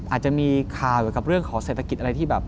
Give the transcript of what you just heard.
อาจจะมีข่าวเกี่ยวกับเรื่องของเศรษฐกิจอะไรที่แบบ